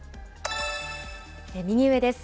右上です。